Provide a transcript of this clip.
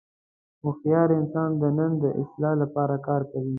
هوښیار انسان د نن د اصلاح لپاره کار کوي.